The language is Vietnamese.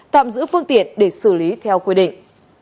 tạm giữ phương tiện để xử lý theo quy định